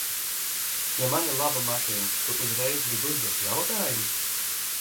Ja man ir laba mašīna, tu uzreiz gribi uzdot jautājumus?